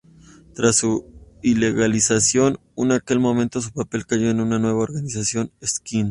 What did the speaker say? Tras su ilegalización en aquel momento su papel cayó en una nueva organización, Ekin.